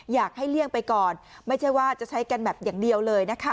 อยากให้เลี่ยงไปก่อนไม่ใช่ว่าจะใช้กันแบบอย่างเดียวเลย